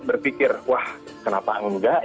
berpikir wah kenapa enggak